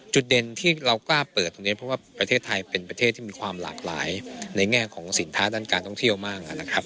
จุดเด่นที่เรากล้าเปิดตรงนี้เพราะว่าประเทศไทยเป็นประเทศที่มีความหลากหลายในแง่ของสินค้าด้านการท่องเที่ยวมากนะครับ